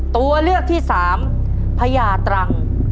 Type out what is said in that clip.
ตัวเลือกที่สามพญาตรัง